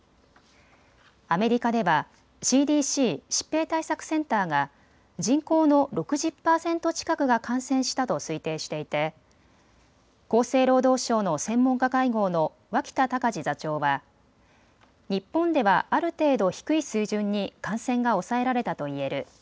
アメリカではＣＤＣ・疾病対策センターが人口の６０％近くが感染したと推定していて厚生労働省の専門家会合の脇田隆字座長は日本ではある程度、低い水準に感染が抑えられたと言える。